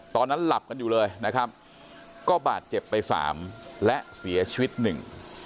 ตอนนั้นหลับกันอยู่เลยนะครับก็บาดเจ็บไปสามและเสียชีวิตหนึ่ง